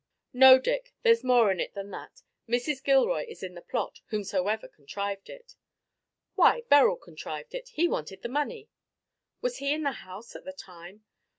"No, Dick, there's more in it than that. Mrs. Gilroy is in the plot whomsoever contrived it." "Why, Beryl contrived it. He wanted the money." "Was he in the house at the time?"